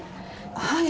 はい。